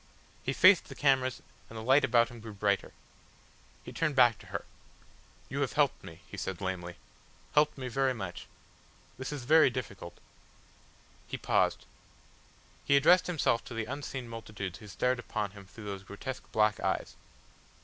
He faced the cameras again and the light about him grew brighter. He turned back to her. "You have helped me," he said lamely "helped me very much.... This is very difficult." He paused. He addressed himself to the unseen multitudes who stared upon him through those grotesque black eyes.